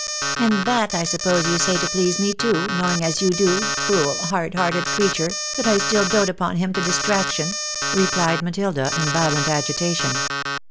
" And that I suppose you say to please me too, knowing as you do, cruel, hard hearted creature, that I still dote upon him to dis traction !" replied Matilda, in violent agitation.